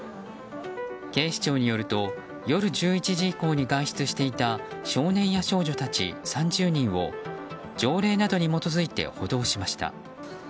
警視庁によると夜１１時以降に外出していた少年や少女たち３０人を条例などに基づいて補導しました。